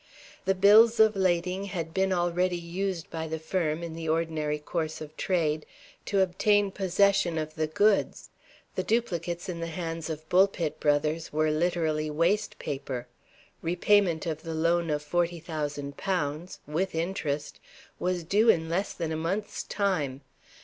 The Bills of Lading had been already used by the firm, in the ordinary course of trade, to obtain possession of the goods. The duplicates in the hands of Bulpit Brothers were literally waste paper. Repayment of the loan of forty thousand pounds (with interest) was due in less than a month's time.